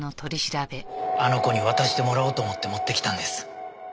あの子に渡してもらおうと思って持ってきたんです。